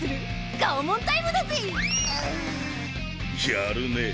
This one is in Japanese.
やるねぇ。